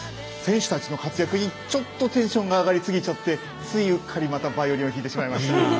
選手たちの活躍にテンションが上がりすぎちゃってついうっかり、またバイオリンを弾いてしまいました。